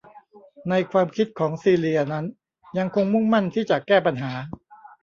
ในความคิดของซีเลียนั้นยังคงมุ่งมั่นที่จะแก้ปัญหา